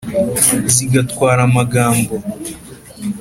Zigatwara amagambo;